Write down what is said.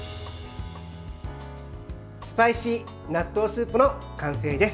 スパイシー納豆スープの完成です。